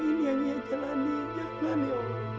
udah gitu sama aku